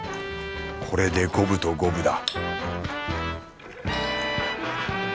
これで五分と五分だ